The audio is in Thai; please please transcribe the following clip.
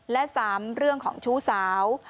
และ๓เรื่องของชู้สาว